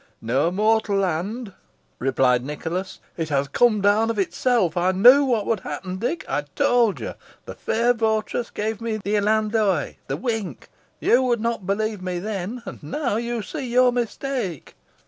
"No mortal hand," replied Nicholas. "It has come down of itself. I knew what would happen, Dick. I told you the fair votaress gave me the clin d'oeil the wink. You would not believe me then and now you see your mistake."